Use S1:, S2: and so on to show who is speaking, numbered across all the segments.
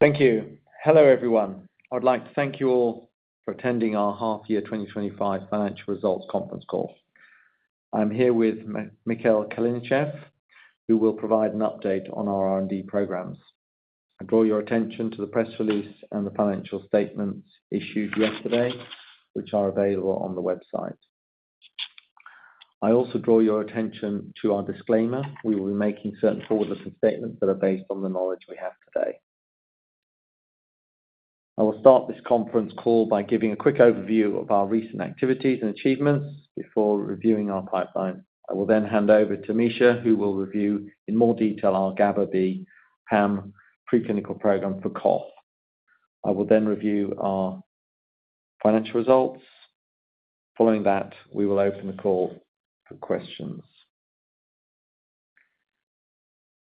S1: Thank you. Hello, everyone. I'd like to thank you all for attending our half-year 2025 financial results conference call. I'm here with Mikhail Kalinichev, who will provide an update on our R&D programs. I draw your attention to the press release and the financial statements issued yesterday, which are available on the website. I also draw your attention to our disclaimer. We will be making certain forward-looking statements that are based on the knowledge we have today. I will start this conference call by giving a quick overview of our recent activities and achievements before reviewing our pipeline. I will then hand over to Misha, who will review in more detail our GABA-B PAM preclinical program for cough. I will then review our financial results. Following that, we will open the call for questions.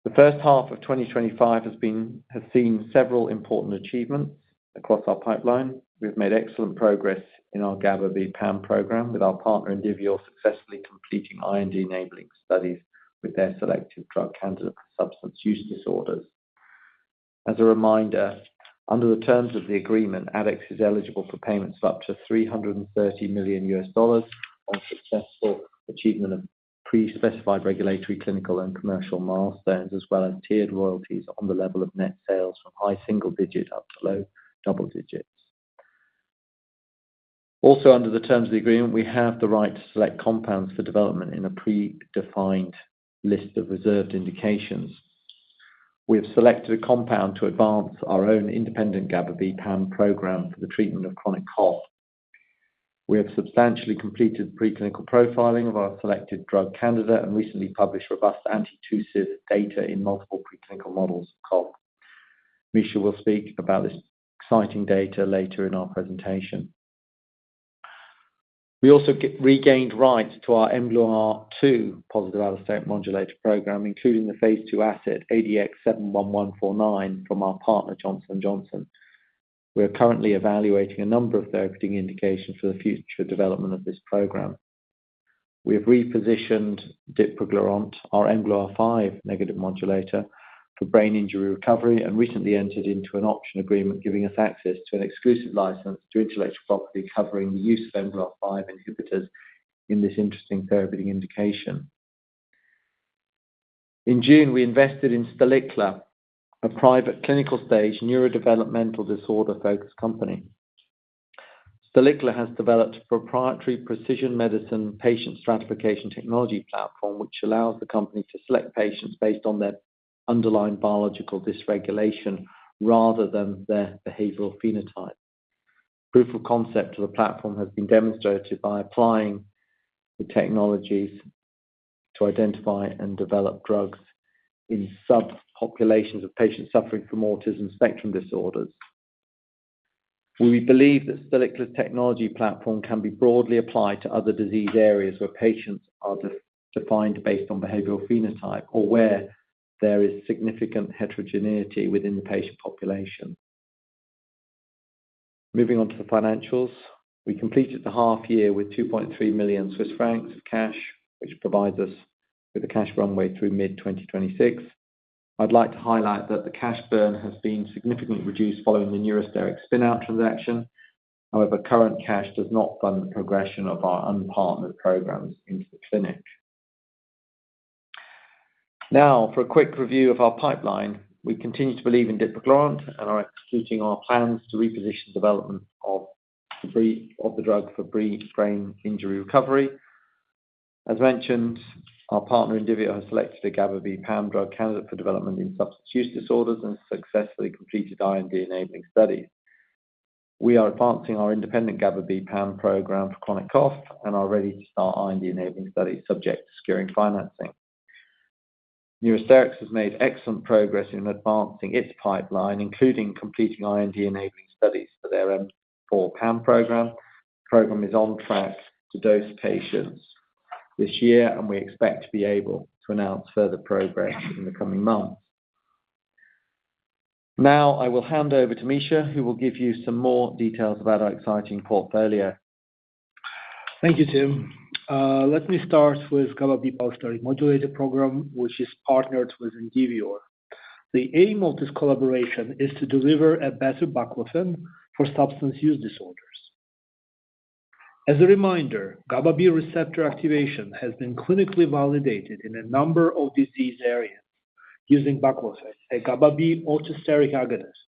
S1: The first half of 2025 has seen several important achievements across our pipeline. We have made excellent progress in our GABA-B PAM program, with our partner Indivior successfully completing IND-enabling studies with their selective drug candidate for substance use disorders. As a reminder, under the terms of the agreement, Addex is eligible for payments of up to $330 million on successful achievement of pre-specified regulatory, clinical, and commercial milestones, as well as tiered royalties on the level of net sales from high single digit up to low double digits. Also, under the terms of the agreement, we have the right to select compounds for development in a predefined list of reserved indications. We have selected a compound to advance our own independent GABA-B PAM program for the treatment of chronic cough. We have substantially completed preclinical profiling of our selected drug candidate and recently published robust antitussive data in multiple preclinical models of cough. Misha will speak about this exciting data later in our presentation. We also regained rights to our mGluR2 positive allosteric modulator program, including the phase 2 asset ADX71149 from our partner, Johnson & Johnson. We are currently evaluating a number of therapeutic indications for the future development of this program. We have repositioned dipraglurant, our mGluR5 negative modulator, for brain injury recovery and recently entered into an option agreement giving us access to an exclusive license to intellectual property covering the use of mGluR5 inhibitors in this interesting therapeutic indication. In June, we invested in Stalicla, a private clinical stage neurodevelopmental disorder-focused company. Stalicla has developed a proprietary precision medicine patient stratification technology platform, which allows the company to select patients based on their underlying biological dysregulation rather than their behavioral phenotype. Proof of concept of the platform has been demonstrated by applying the technologies to identify and develop drugs in subpopulations of patients suffering from autism spectrum disorders. We believe that Stalicla's technology platform can be broadly applied to other disease areas where patients are defined based on behavioral phenotype or where there is significant heterogeneity within the patient population. Moving on to the financials, we completed the half-year with 2.3 million Swiss francs of cash, which provides us with a cash runway through mid-2026. I'd like to highlight that the cash burn has been significantly reduced following the Neurosterix spin-out transaction. However, current cash does not fund the progression of our unpartnered programs into the clinic. Now, for a quick review of our pipeline, we continue to believe in dipraglurant and are executing our plans to reposition development of the drug for brain injury recovery. As mentioned, our partner Indivior has selected a GABA-B PAM drug candidate for development in substance use disorders and has successfully completed IND-enabling studies. We are advancing our independent GABA-B PAM program for chronic cough and are ready to start IND-enabling studies, subject to securing financing. Neurosterix has made excellent progress in advancing its pipeline, including completing IND-enabling studies for their M4 PAM program. The program is on track to dose patients this year, and we expect to be able to announce further progress in the coming months. Now, I will hand over to Misha, who will give you some more details about our exciting portfolio.
S2: Thank you, Tim. Let me start with GABA-B positive modulator program, which is partnered with Indivior. The aim of this collaboration is to deliver a better baclofen for substance use disorders. As a reminder, GABA-B receptor activation has been clinically validated in a number of disease areas using baclofen, a GABA-B orthosteric agonist.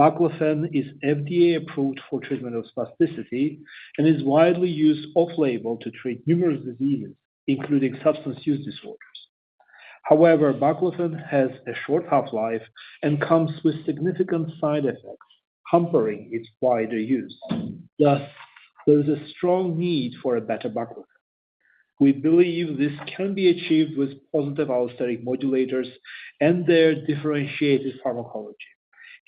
S2: Baclofen is FDA-approved for treatment of spasticity and is widely used off-label to treat numerous diseases, including substance use disorders. However, baclofen has a short half-life and comes with significant side effects, hampering its wider use. Thus, there is a strong need for a better baclofen. We believe this can be achieved with positive allosteric modulators and their differentiated pharmacology,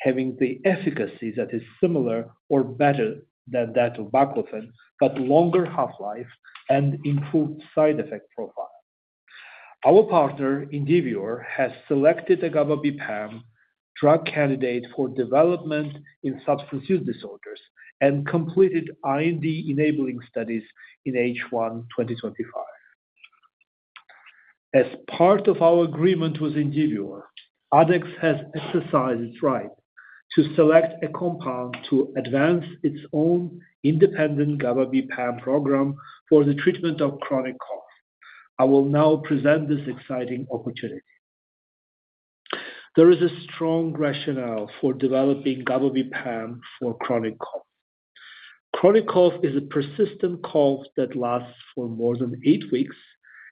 S2: having the efficacy that is similar or better than that of baclofen, but longer half-life and improved side effect profile. Our partner, Indivior, has selected a GABA-B PAM drug candidate for development in substance use disorders and completed IND-enabling studies in H1 2025. As part of our agreement with Indivior, Addex has exercised its right to select a compound to advance its own independent GABA-B PAM program for the treatment of chronic cough. I will now present this exciting opportunity. There is a strong rationale for developing GABA-B PAM for chronic cough. Chronic cough is a persistent cough that lasts for more than eight weeks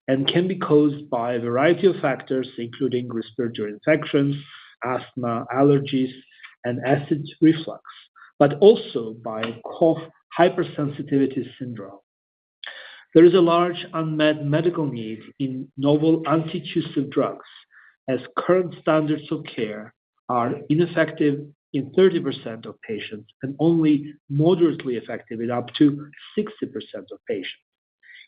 S2: and can be caused by a variety of factors, including respiratory infections, asthma, allergies, and acid reflux, but also by cough hypersensitivity syndrome. There is a large unmet medical need in novel antitussive drugs, as current standards of care are ineffective in 30% of patients and only moderately effective in up to 60% of patients.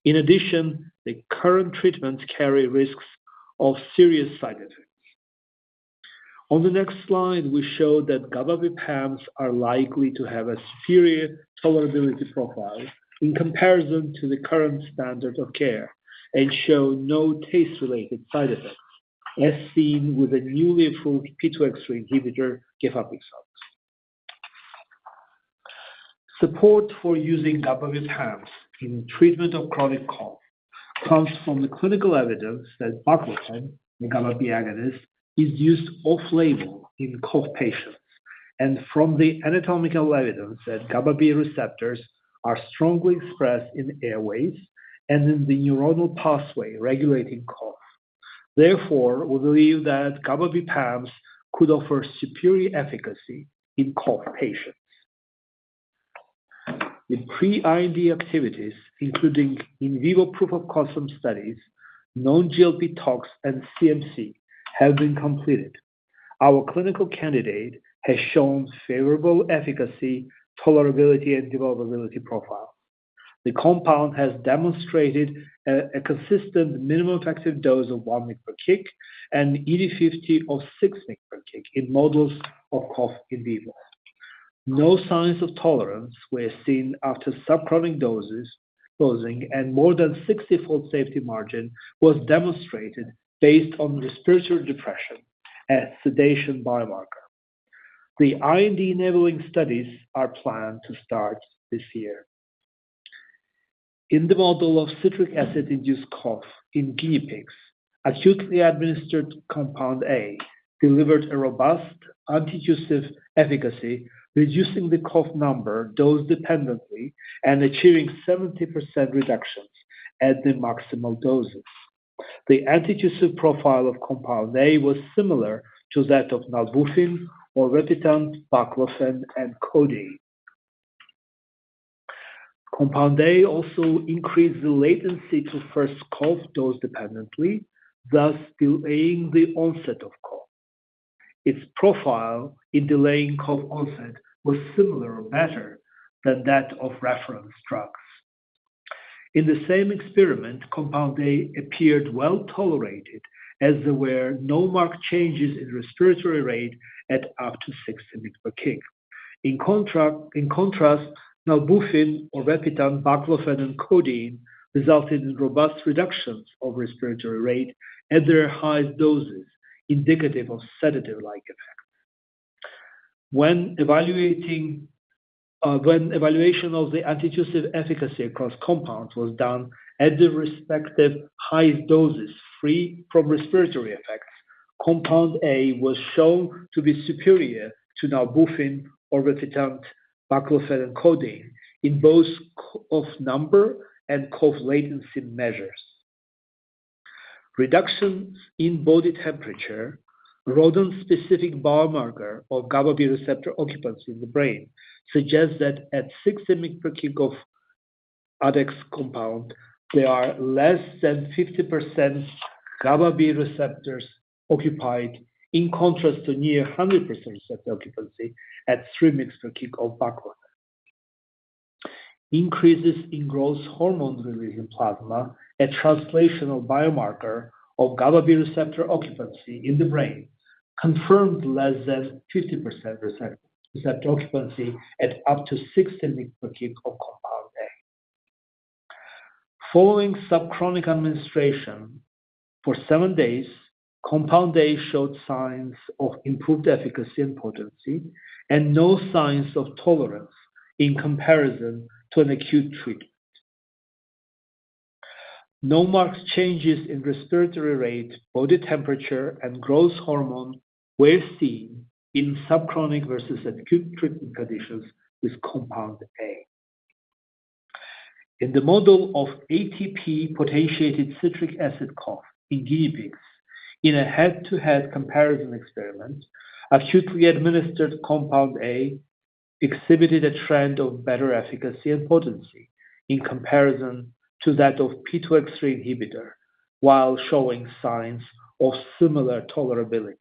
S2: In addition, the current treatments carry risks of serious side effects. On the next slide, we show that GABA-B PAMs are likely to have a superior tolerability profile in comparison to the current standard of care and show no taste-related side effects, as seen with a newly approved P2X3 inhibitor, gefapixant. Support for using GABA-B PAMs in the treatment of chronic cough comes from the clinical evidence that baclofen, the GABA-B agonist, is used off-label in cough patients and from the anatomical evidence that GABA-B receptors are strongly expressed in airways and in the neuronal pathway regulating cough. Therefore, we believe that GABA-B PAMs could offer superior efficacy in cough patients. The pre-IND activities, including in vivo proof-of-concept studies, non-GLP tox, and CMC, have been completed. Our clinical candidate has shown favorable efficacy, tolerability, and developability profiles. The compound has demonstrated a consistent minimal effective dose of 1 mg/kg and ED50 of 6 mg/kg in models of cough in vivo. No signs of tolerance were seen after subchronic dosing, and more than 60-fold safety margin was demonstrated based on respiratory depression and sedation as biomarkers. The IND-enabling studies are planned to start this year. In the model of citric acid-induced cough in guinea pigs, acutely administered Compound A delivered a robust antitussive efficacy, reducing the cough number dose-dependently and achieving 70% reductions at the maximal doses. The antitussive profile of Compound A was similar to that of naltrexone, aprepitant, baclofen, and codeine. Compound A also increased the latency to first cough dose-dependently, thus delaying the onset of cough. Its profile in delaying cough onset was similar or better than that of reference drugs. In the same experiment, Compound A appeared well tolerated as there were no marked changes in respiratory rate at up to 60 mg/kg. In contrast, naltrexone, aprepitant, baclofen and codeine resulted in robust reductions of respiratory rate at their highest doses, indicative of sedative-like effects. When evaluation of the antitussive efficacy across compounds was done at the respective highest doses free from respiratory effects, Compound A was shown to be superior to naltrexone, aprepitant, baclofen and codeine in both cough number and cough latency measures. Reductions in body temperature, rodent-specific biomarker of GABA-B receptor occupancy in the brain suggest that at 60 mg/kg of Addex compound, there are less than 50% GABA-B receptors occupied in contrast to near 100% receptor occupancy at 3 mg/kg of baclofen. Increases in growth hormone release in plasma, a translational biomarker of GABA-B receptor occupancy in the brain, confirmed less than 50% receptor occupancy at up to 60 mg/kg of Compound A. Following subchronic administration for seven days, Compound A showed signs of improved efficacy and potency and no signs of tolerance in comparison to an acute treatment. No marked changes in respiratory rate, body temperature, and growth hormone were seen in subchronic versus acute treatment conditions with Compound A. In the model of ATP-potentiated citric acid cough in guinea pigs, in a head-to-head comparison experiment, acutely administered Compound A exhibited a trend of better efficacy and potency in comparison to that of P2X3 inhibitor, while showing signs of similar tolerability.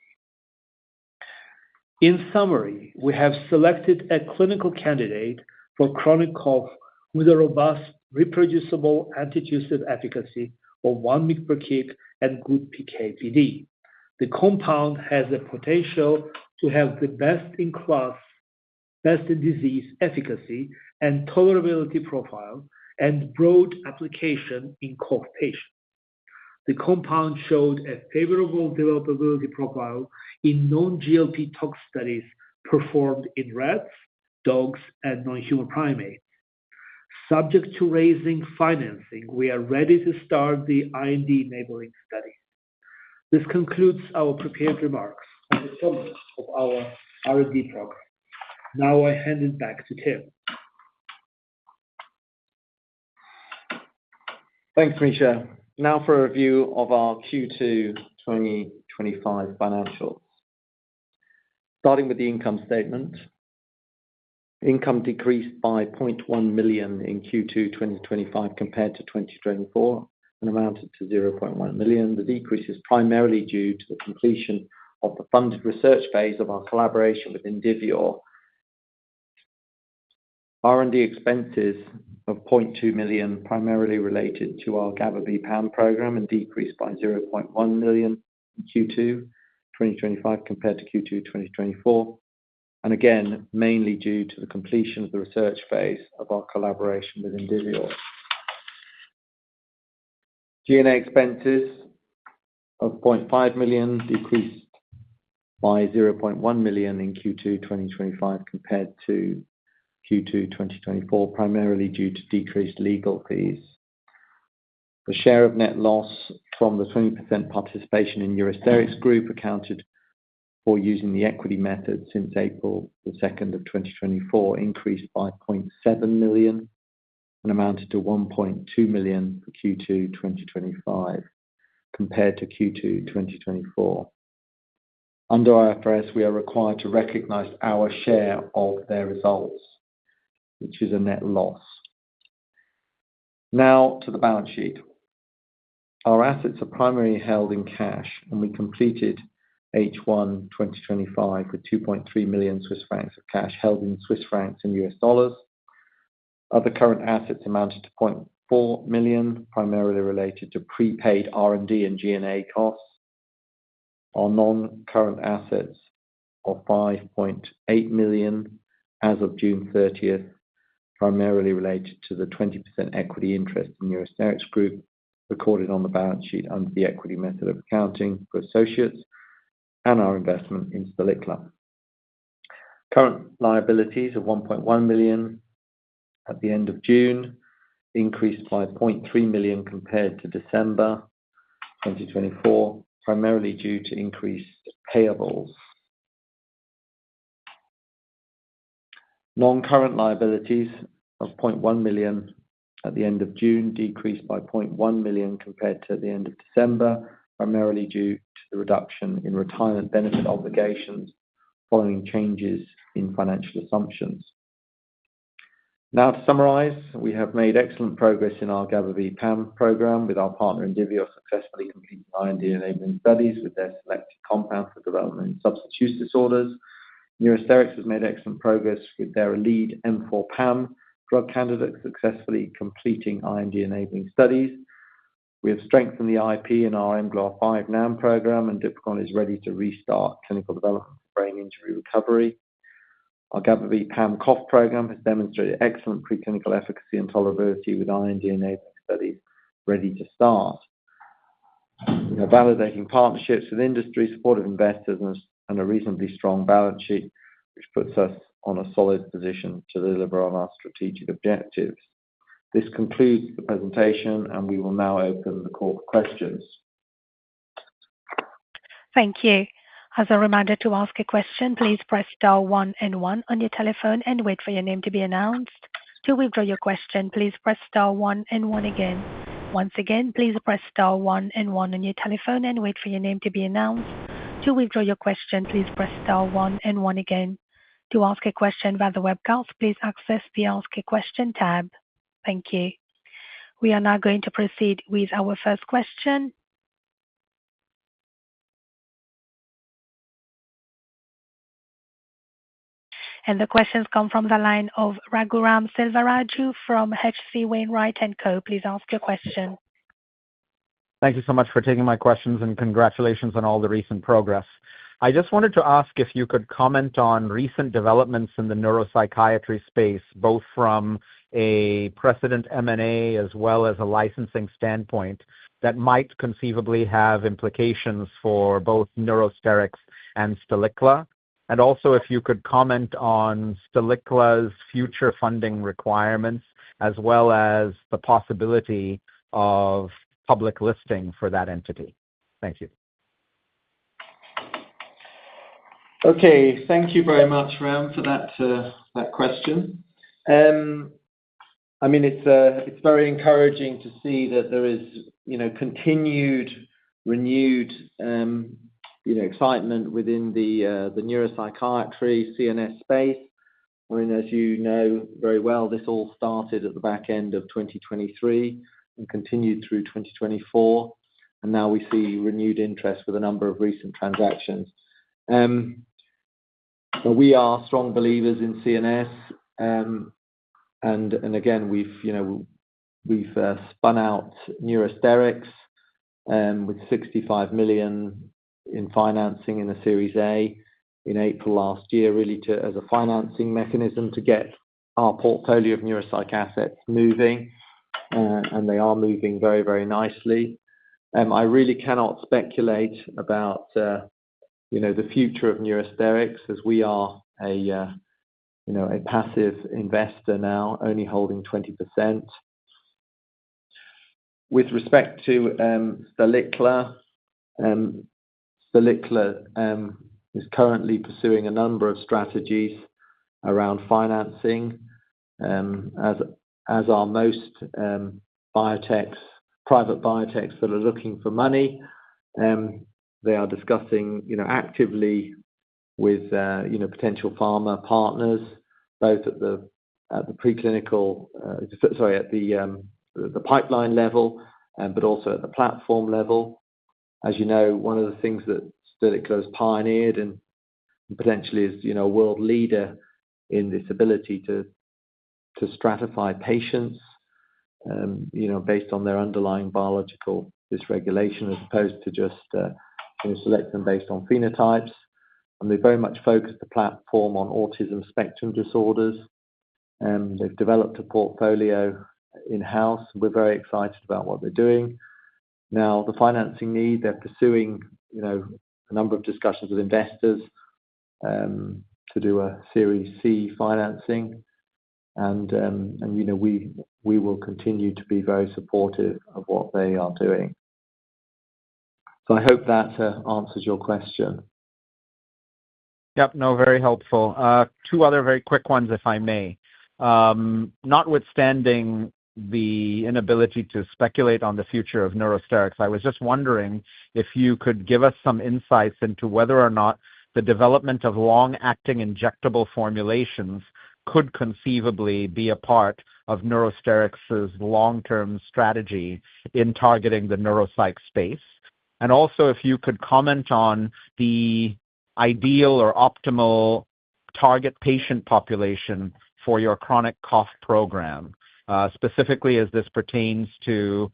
S2: In summary, we have selected a clinical candidate for chronic cough with a robust reproducible antitussive efficacy of 1 mg/kg and good PK/PD. The compound has the potential to have the best in class, best in disease efficacy and tolerability profile and broad application in cough patients. The compound showed a favorable developability profile in known GLP tox studies performed in rats, dogs, and non-human primates. Subject to raising financing, we are ready to start the IND-enabling study. This concludes our prepared remarks on the summary of our R&D program. Now, I hand it back to Tim.
S1: Thanks, Misha. Now for a review of our Q2 2025 financials. Starting with the income statement. Income decreased by 0.1 million in Q2 2025 compared to 2024 and amounted to 0.1 million. The decrease is primarily due to the completion of the funded research phase of our collaboration with Indivior. R&D expenses of 0.2 million primarily related to our GABA-B PAM program and decreased by 0.1 million in Q2 2025 compared to Q2 2024, and again, mainly due to the completion of the research phase of our collaboration with Indivior. G&A expenses of 0.5 million decreased by 0.1 million in Q2 2025 compared to Q2 2024, primarily due to decreased legal fees. The share of net loss from the 20% participation in Neurosterix accounted for using the equity method since April 2, 2024, increased by 0.7 million and amounted to 1.2 million for Q2 2025 compared to Q2 2024. Under IFRS, we are required to recognize our share of their results, which is a net loss. Now to the balance sheet. Our assets are primarily held in cash, and we completed H1 2025 with 2.3 million Swiss francs of cash held in Swiss francs and US dollars. Other current assets amounted to 0.4 million, primarily related to prepaid R&D and G&A costs. Our non-current assets of 5.8 million as of June 30, primarily related to the 20% equity interest in Neurosterix recorded on the balance sheet under the equity method of accounting for associates and our investment in Stalicla. Current liabilities of 1.1 million at the end of June increased by 0.3 million compared to December 2024, primarily due to increased payables. Non-current liabilities of 0.1 million at the end of June decreased by 0.1 million compared to the end of December, primarily due to the reduction in retirement benefit obligations following changes in financial assumptions. Now, to summarize, we have made excellent progress in our GABA-B PAM program with our partner Indivior successfully completing IND-enabling studies with their selected compound for development in substance use disorders. Neurosterix has made excellent progress with their lead M4 PAM drug candidate successfully completing IND-enabling studies. We have strengthened the IP and our mGluR5 NAM program, and dipraglurant is ready to restart clinical development for brain injury recovery. Our GABA-B PAM cough program has demonstrated excellent preclinical efficacy and tolerability with IND-enabling studies ready to start. We are validating partnerships with industry, supportive investors, and a reasonably strong balance sheet, which puts us in a solid position to deliver on our strategic objectives. This concludes the presentation, and we will now open the call for questions.
S3: Thank you. As a reminder to ask a question, please press star one and one on your telephone and wait for your name to be announced. To withdraw your question, please press star one and one again. Once again, please press star one and one on your telephone and wait for your name to be announced. To withdraw your question, please press star one and one again. To ask a question via the webcast, please access the Ask a Question tab. Thank you. We are now going to proceed with our first question, and the questions come from the line of Raghuram Selvaraju from H.C. Wainwright & Co. Please ask your question.
S4: Thank you so much for taking my questions, and congratulations on all the recent progress. I just wanted to ask if you could comment on recent developments in the neuropsychiatry space, both from a precedent M&A as well as a licensing standpoint, that might conceivably have implications for both Neurosterix and Stalicla, and also, if you could comment on Stalicla's future funding requirements as well as the possibility of public listing for that entity. Thank you.
S1: Okay. Thank you very much, Ram, for that question. I mean, it's very encouraging to see that there is continued renewed excitement within the neuropsychiatry CNS space. I mean, as you know very well, this all started at the back end of 2023 and continued through 2024. And now we see renewed interest with a number of recent transactions. We are strong believers in CNS. And again, we've spun out Neurosterix with 65 million in financing in the Series A in April last year, really as a financing mechanism to get our portfolio of neuropsych assets moving. And they are moving very, very nicely. I really cannot speculate about the future of Neurosterix as we are a passive investor now, only holding 20%. With respect to Stalicla, Stalicla is currently pursuing a number of strategies around financing. As our most private biotechs that are looking for money, they are discussing actively with potential pharma partners, both at the preclinical, sorry, at the pipeline level, but also at the platform level. As you know, one of the things that Stalicla has pioneered and potentially is a world leader in this ability to stratify patients based on their underlying biological dysregulation as opposed to just selecting based on phenotypes. And they very much focus the platform on autism spectrum disorders. They've developed a portfolio in-house. We're very excited about what they're doing. Now, the financing need, they're pursuing a number of discussions with investors to do a Series C financing. And we will continue to be very supportive of what they are doing. So I hope that answers your question.
S4: Yep. Now, very helpful. Two other very quick ones, if I may. Notwithstanding the inability to speculate on the future of Neurosterix, I was just wondering if you could give us some insights into whether or not the development of long-acting injectable formulations could conceivably be a part of Neurosterix's long-term strategy in targeting the neuropsych space. And also, if you could comment on the ideal or optimal target patient population for your chronic cough program, specifically as this pertains to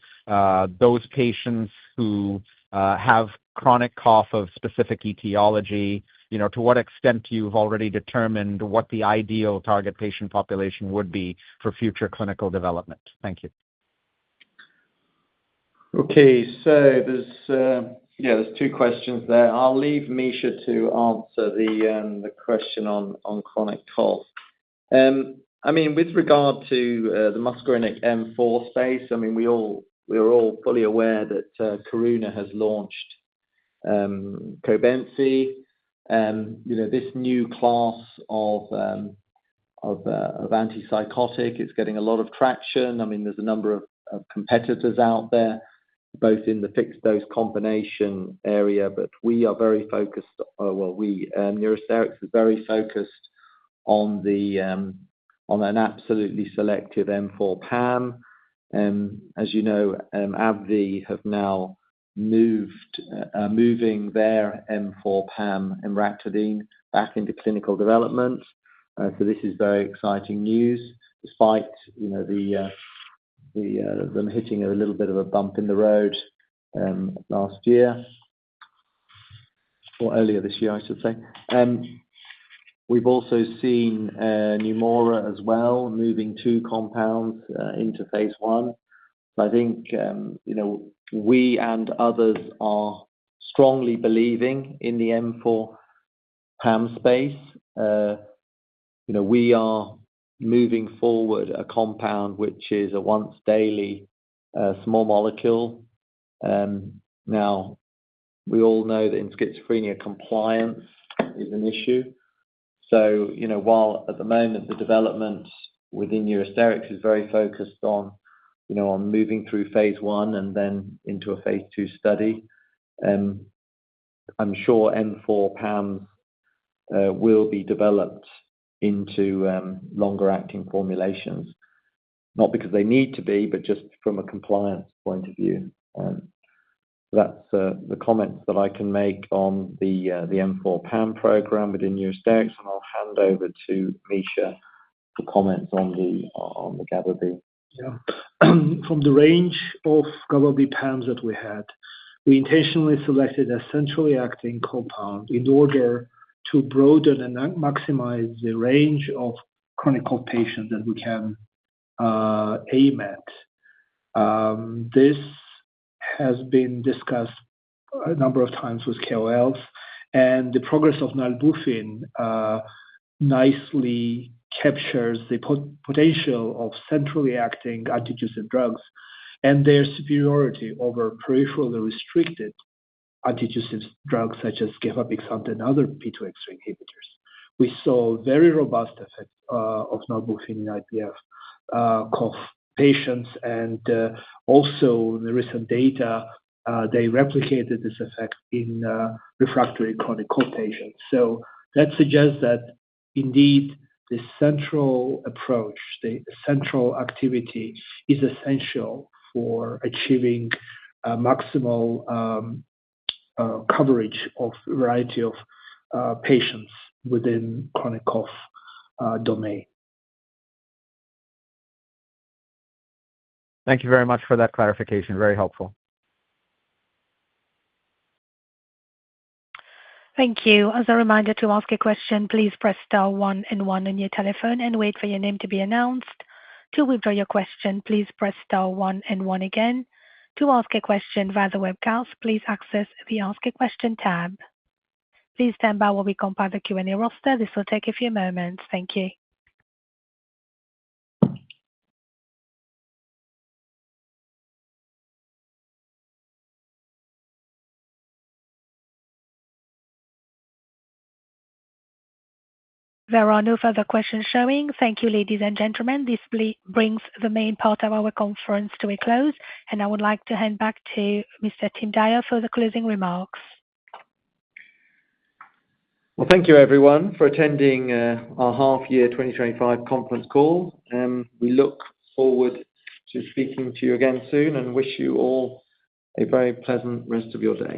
S4: those patients who have chronic cough of specific etiology. To what extent you've already determined what the ideal target patient population would be for future clinical development? Thank you.
S1: Okay. So yeah, there's two questions there. I'll leave Misha to answer the question on chronic cough. I mean, with regard to the muscarinic M4 space, I mean, we are all fully aware that Karuna has launched Cobenfy. This new class of antipsychotic is getting a lot of traction. I mean, there's a number of competitors out there, both in the fixed-dose combination area, but we are very focused. Well, we, Neurosterix is very focused on an absolutely selective M4 PAM. As you know, AbbVie have now moved their M4 PAM, emraclidine, back into clinical development. So this is very exciting news, despite them hitting a little bit of a bump in the road last year or earlier this year, I should say. We've also seen Neumora as well moving two compounds into phase one. So I think we and others are strongly believing in the M4 PAM space. We are moving forward a compound which is a once-daily small molecule. Now, we all know that in schizophrenia, compliance is an issue. So while at the moment the development within Neurosterix is very focused on moving through phase one and then into a phase 2 study, I'm sure M4 PAMs will be developed into longer-acting formulations. Not because they need to be, but just from a compliance point of view. So that's the comments that I can make on the M4 PAM program within Neurosterix. And I'll hand over to Misha for comments on the GABA-B.
S2: Yeah. From the range of GABA-B PAMs that we had, we intentionally selected a centrally acting compound in order to broaden and maximize the range of chronic cough patients that we can aim at. This has been discussed a number of times with KOLs. And the progress of nalbuphine nicely captures the potential of centrally acting antitussive drugs and their superiority over peripherally restricted antitussive drugs such as GABA-B agonist and other P2X3 inhibitors. We saw very robust effects of nalbuphine in IPF cough patients. And also, in the recent data, they replicated this effect in refractory chronic cough patients. So that suggests that indeed the central approach, the central activity is essential for achieving maximal coverage of a variety of patients within the chronic cough domain.
S4: Thank you very much for that clarification. Very helpful.
S3: Thank you. As a reminder to ask a question, please press star one and one on your telephone and wait for your name to be announced. To withdraw your question, please press star one and one again. To ask a question via the webcast, please access the Ask a Question tab. Please stand by while we compile the Q&A roster. This will take a few moments. Thank you. There are no further questions showing. Thank you, ladies and gentlemen. This brings the main part of our conference to a close. And I would like to hand back to Mr. Tim Dyer for the closing remarks.
S1: Thank you, everyone, for attending our half-year 2025 conference call. We look forward to speaking to you again soon and wish you all a very pleasant rest of your day.